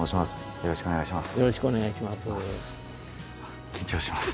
よろしくお願いします。